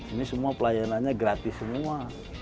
ini semua pelayanannya gratis semua